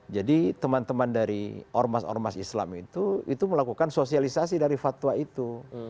dan teman teman dari ormas ormas islam itu melakukan sosialisasi dari fatwa itu